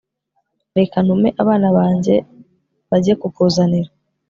reka ntume abana banjye bajye kukuzanira»